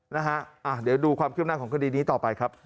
นะฮะเดี๋ยวดูความขึ้นหน้าของคดีนี้ต่อไปครับ